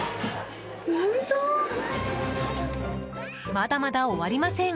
まだまだ終わりません。